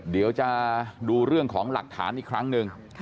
เดี๋ยวจะดูเรื่องของหลักฐานอีกครั้งหนึ่ง